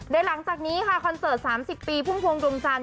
และหลังจากนี้คอนเสิร์ต๓๐ปีภูมิฟังจงใจ